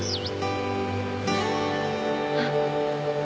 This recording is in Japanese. あっ。